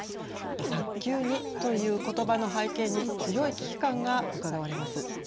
早急にということばの背景に強い危機感がうかがわれます。